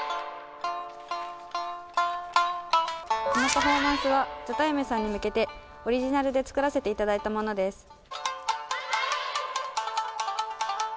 このパフォーマンスは「ＴＨＥＴＩＭＥ，」さんに向けてオリジナルで作らせていただいたものです。